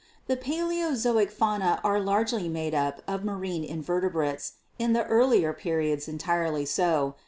"The Paleozoic fauna is largely made up of marine in vertebrates, in the earlier periods entirely so — i.